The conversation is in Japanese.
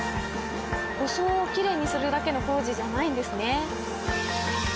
装をきれいにするだけの工事じゃないんですね。